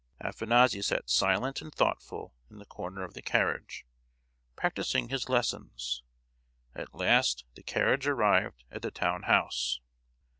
Afanassy sat silent and thoughtful in the corner of the carriage, practising his lessons. At last the carriage arrived at the town house.